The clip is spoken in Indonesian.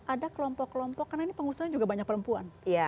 ada kelompok kelompok karena ini pengusaha juga banyak perempuan